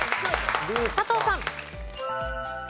佐藤さん。